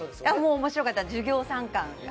面白かった、授業参観が。